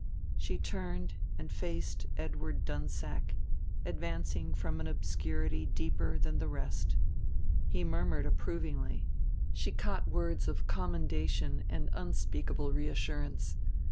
She turned and faced Edward Dunsack, advancing from an obscurity deeper than the rest. He murmured approvingly, she caught words of commendation and unspeakable reassurance.